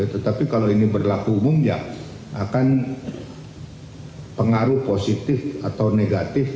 tetapi kalau ini berlaku umum ya akan pengaruh positif atau negatif